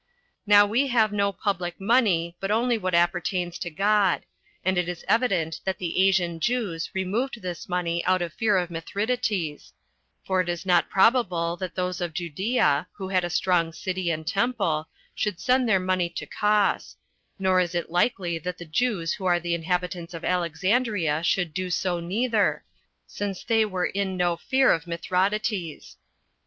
Now we have no public money but only what appertains to God; and it is evident that the Asian Jews removed this money out of fear of Mithridates; for it is not probable that those of Judea, who had a strong city and temple, should send their money to Cos; nor is it likely that the Jews who are inhabitants of Alexandria should do so neither, since they were in no fear of Mithridates.